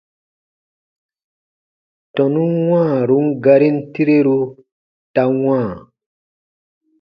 Tɔnun wãarun garin tireru ta wãa.